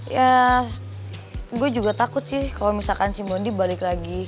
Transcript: ya gua juga takut sih kalo misalkan si mondi balik lagi